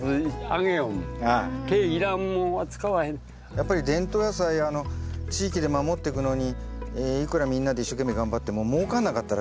やっぱり伝統野菜地域で守ってくのにいくらみんなで一生懸命頑張ってももうかんなかったら。